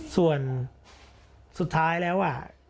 ส่วนสุดท้ายแล้ว